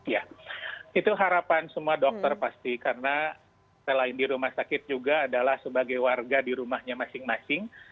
ya itu harapan semua dokter pasti karena selain di rumah sakit juga adalah sebagai warga di rumahnya masing masing